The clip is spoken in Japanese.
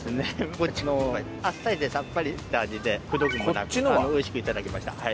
こっちのはあっさりでさっぱりした味でくどくもなくおいしくいただきました。